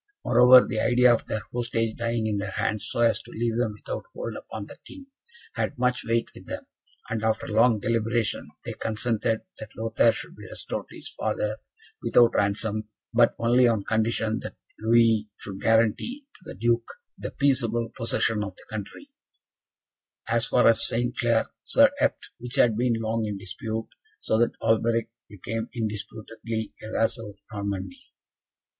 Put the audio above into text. Moreover, the idea of their hostage dying in their hands, so as to leave them without hold upon the King, had much weight with them; and, after long deliberation, they consented that Lothaire should be restored to his father, without ransom but only on condition that Louis should guarantee to the Duke the peaceable possession of the country, as far as St. Clair sur Epte, which had been long in dispute; so that Alberic became, indisputably, a vassal of Normandy.